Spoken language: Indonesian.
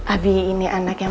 abi ini anak yang